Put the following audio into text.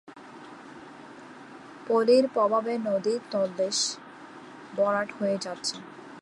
পলির প্রভাবে নদীর তলদেশ ভরাট হয়ে যাচ্ছে।